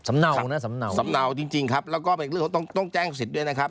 สำเนาจริงครับแล้วก็ต้องแจ้งสิทธิ์ด้วยนะครับ